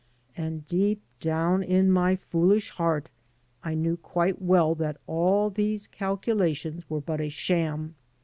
And deep down in my foolish heart I knew quite well that all these calculations were but a sham.